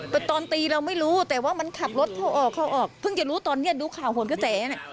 แต่ตอนตีเราไม่รู้แต่ว่ามันขับรถเข้าออกเขาออกเพิ่งจะรู้ตอนนี้ดูข่าวหนกระแสน่ะ